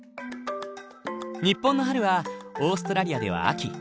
日本の春はオーストラリアでは秋。